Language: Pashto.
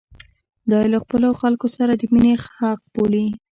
دا یې له خپلو خلکو سره د مینې حق بولي.